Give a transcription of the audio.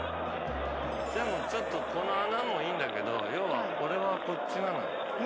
でも、この穴もいいんだけど俺はこっちなのよ。